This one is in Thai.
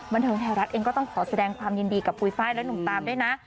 บันเทิงไทยรัฐเองก็ต้องขอแสดงความยินดีกับปุ๋ยไฟล์และหนุ่มตามด้วยนะ